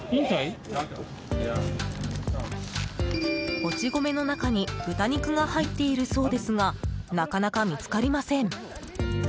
もち米の中に豚肉が入っているそうですがなかなか見つかりません。